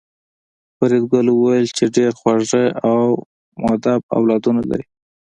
فریدګل وویل چې ډېر خواږه او مودب اولادونه لرې